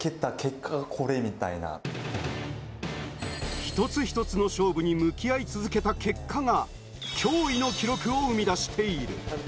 一つ一つの勝負に向き合い続けた結果が驚異の記録を生み出している。